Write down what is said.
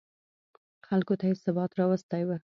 خلکو ته یې ثبات راوستی و.